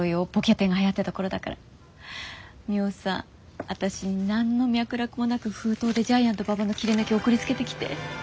ミホさん私に何の脈絡もなく封筒でジャイアント馬場の切り抜き送りつけてきて。